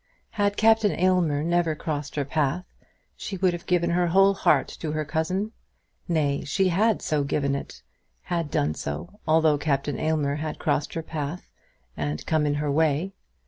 Had Captain Aylmer never crossed her path, she would have given her whole heart to her cousin. Nay; she had so given it, had done so, although Captain Aylmer had crossed her path and come in her way.